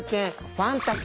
ファンタ君。